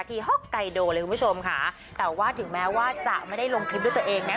ฮอกไกโดเลยคุณผู้ชมค่ะแต่ว่าถึงแม้ว่าจะไม่ได้ลงคลิปด้วยตัวเองนะ